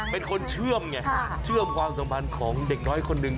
เป็นคนเชื่อมไงเชื่อมความสัมพันธ์ของเด็กน้อยคนหนึ่ง